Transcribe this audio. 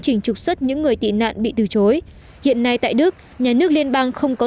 trình trục xuất những người tị nạn bị từ chối hiện nay tại đức nhà nước liên bang không có